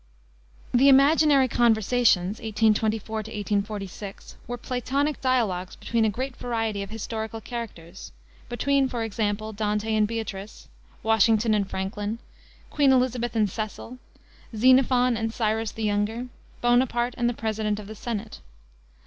The Imaginary Conversations, 1824 1846, were Platonic dialogues between a great variety of historical characters; between, for example, Dante and Beatrice, Washington and Franklin, Queen Elisabeth and Cecil, Xenophon and Cyrus the Younger, Bonaparte and the President of the Senate.